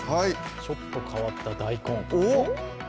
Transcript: ちょっと変わった大根。